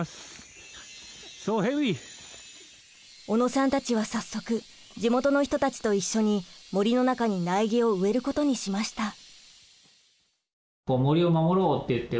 小野さんたちは早速地元の人たちと一緒に森の中に苗木を植えることにしました。